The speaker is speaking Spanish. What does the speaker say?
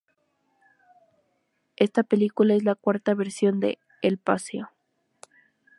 Esta película es la cuarta versión de "El paseo".